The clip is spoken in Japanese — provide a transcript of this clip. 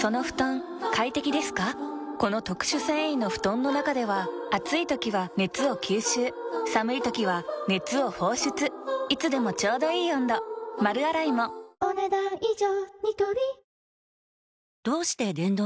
この特殊繊維の布団の中では暑い時は熱を吸収寒い時は熱を放出いつでもちょうどいい温度丸洗いもお、ねだん以上。